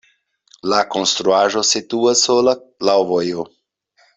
La konstruaĵo situas sola laŭ vojo.